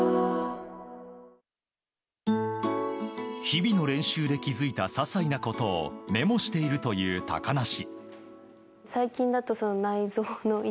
日々の練習で気づいた些細なことをメモしているという高梨。